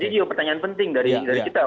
jadi pertanyaan penting dari kita